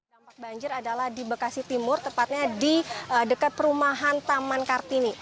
dampak banjir adalah di bekasi timur tepatnya di dekat perumahan taman kartini